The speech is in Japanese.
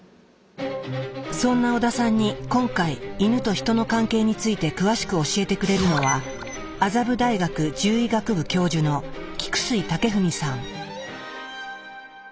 そんな織田さんに今回イヌとヒトの関係について詳しく教えてくれるのは麻布大学獣医学部教授の菊水健史さん。